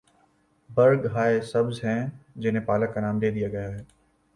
برگ ہائے سبز ہیں جنہیں پالک کا نام دے دیا گیا ہے۔